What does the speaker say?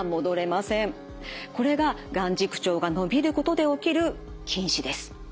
これが眼軸長が伸びることで起きる近視です。